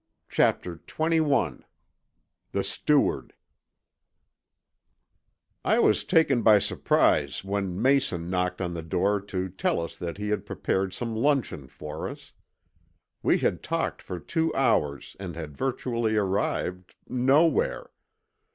CHAPTER XXI THE STEWARD I was taken by surprise when Mason knocked on the door to tell us that he had prepared some luncheon for us. We had talked for two hours and had virtually arrived nowhere!